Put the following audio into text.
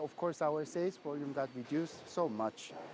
itu adalah alasan mengapa volume axo kami terkurang banyak